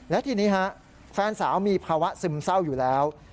และทีนี้ฮะแฟนสาวมีภาวะซึมเศร้าอยู่แล้ว